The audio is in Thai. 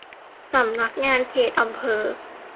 สำนักงานเขตอำเภอ